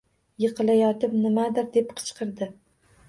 Yiqilayotib nimadir deb qichqirdi